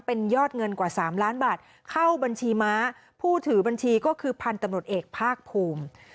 เป็นยอดเงินกว่า๓ล้านบาทเข้าบัญชีม้าผู้ถือบัญชีก็คือพันธุ์ตำรวจเอกภาคภูมิ